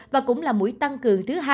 và cũng là mũi tăng cường thứ hai